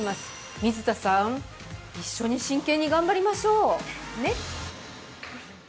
水田さん、一緒に真剣に頑張りましょう、ね。